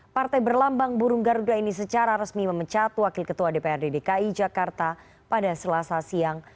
partai berlambang burung garuda ini secara resmi memecat wakil ketua dprd dki jakarta pada selasa siang